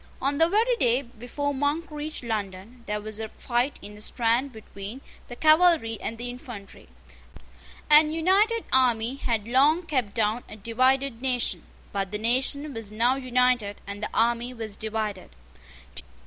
On the very day before Monk reached London, there was a fight in the Strand between the cavalry and the infantry. An united army had long kept down a divided nation; but the nation was now united, and the army was divided.